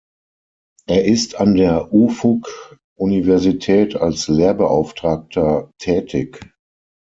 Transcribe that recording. Er ist an der Ufuk-Universität als Lehrbeauftragter tätig.